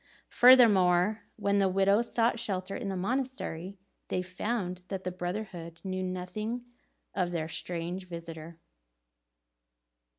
Furthermore, when the widows sought shelter in the monastery, they found that the brotherhood knew nothing of their strange visitor.